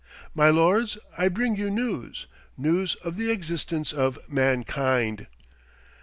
My lords, I bring you news news of the existence of mankind."